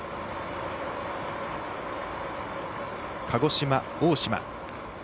鹿児島、大島。